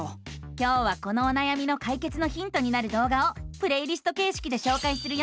今日はこのおなやみのかいけつのヒントになる動画をプレイリストけいしきでしょうかいするよ！